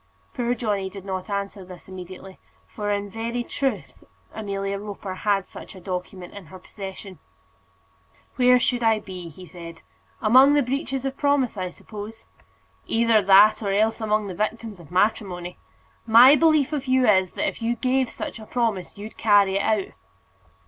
Poor Johnny did not answer this immediately, for in very truth Amelia Roper had such a document in her possession. "Where should I be?" said he. "Among the breaches of promise, I suppose." "Either that, or else among the victims of matrimony. My belief of you is, that if you gave such a promise, you'd carry it out."